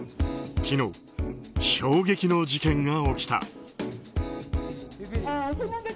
昨日、衝撃の事件が起きた。